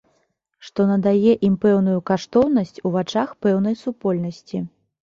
Што надае ім пэўную каштоўнасць у вачах пэўнай супольнасці.